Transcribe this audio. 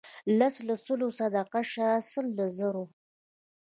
لس له سلو صدقه شه سل له زرو.